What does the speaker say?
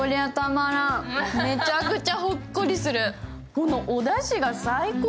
このおだしが最高！